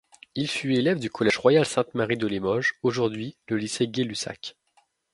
Il fut élève du Collège Royal Sainte-Marie de Limoges, aujourd'hui le Lycée Gay-Lussac.